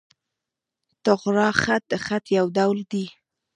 طغرا خط، د خط یو ډول دﺉ.